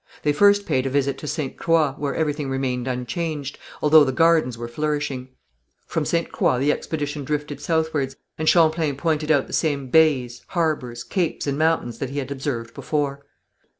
They first paid a visit to Ste. Croix, where everything remained unchanged, although the gardens were flourishing. From Ste. Croix the expedition drifted southwards, and Champlain pointed out the same bays, harbours, capes and mountains that he had observed before.